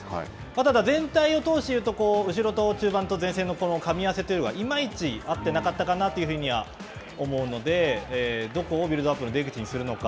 ただ、全体を通して言うと、後ろと中盤と前線のかみ合わせというのが、いまいち合ってなかったかなというふうには思うので、どこをビルドアップの出口にするのか。